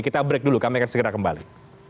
kita break dulu kami akan segera kembali